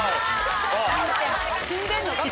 死んでんのか？